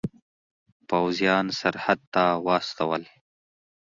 پوځیان سرحد ته واستول.